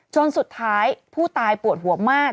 จนสุดท้ายผู้ตายปวดหัวมาก